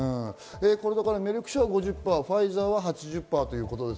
メルク社は５０％、ファイザーは８０％です。